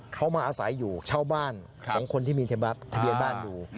เขามาอาศัยอยู่เช่าบ้านของคนที่มีทะเบียนบ้านอยู่